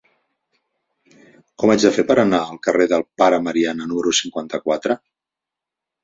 Com ho faig per anar al carrer del Pare Mariana número cinquanta-quatre?